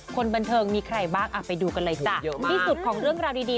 คนบันเทิงมีใครบ้างไปดูกันเลยจ้ะเยอะมากที่สุดของเรื่องราวดี